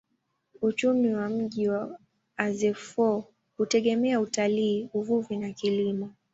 Uchumi wa mji wa Azeffou hutegemea utalii, uvuvi na kilimo.